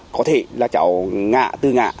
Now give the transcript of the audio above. có thể là cháu ngạ từ ngạ